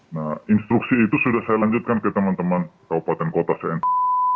nah instruksi itu sudah saya lanjutkan ke teman teman kabupaten kota tni